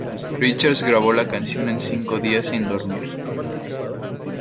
Richards grabó la canción en cinco días sin dormir.